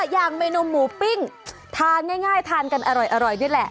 อย่างเมนูหมูปิ้งทานง่ายทานกันอร่อยนี่แหละ